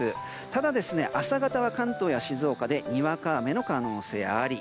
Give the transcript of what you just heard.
ただ、朝方は関東や静岡でにわか雨の可能性あり。